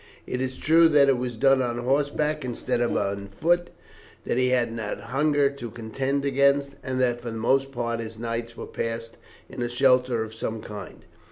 It is true that it was done on horseback instead of on foot, that he had not hunger to contend against, and that for the most part his nights were passed in a shelter of some kind.